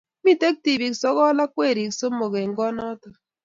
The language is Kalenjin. Mitei tibiik sokol ak weriik somok eng kot noto